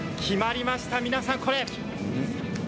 決まりました、皆さん。